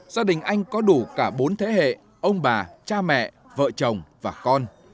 gia đình anh có đủ cả bốn thế hệ ông bà cha mẹ vợ chồng và con